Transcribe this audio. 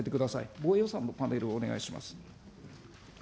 防衛予算のパネルもお願いします。